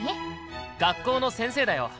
学校の先生だよ。